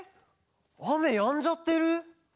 あめやんじゃってる。